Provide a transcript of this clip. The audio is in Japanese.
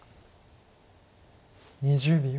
２０秒。